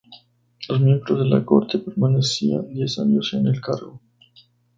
Los miembros de la Corte permanecían diez años en el cargo.